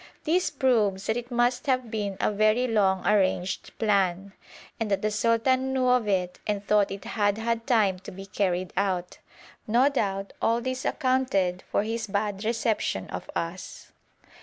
This proves that it must have been a very long arranged plan, and that the sultan knew of it and thought it had had time to be carried out. No doubt all this accounted for his bad reception of us.